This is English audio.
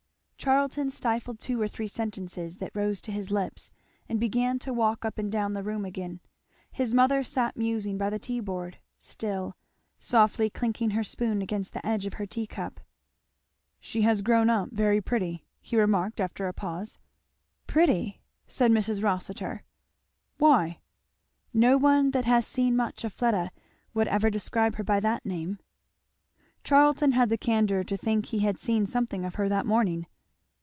Charlton stifled two or three sentences that rose to his lips, and began to walk up and down the room again. His mother sat musing by the tea board still, softly clinking her spoon against the edge of her tea cup. "She has grown up very pretty," he remarked after a pause. "Pretty!" said Mrs. Rossitur. "Why?" "No one that has seen much of Fleda would ever describe her by that name." Charlton had the candour to think he had seen something of her that morning.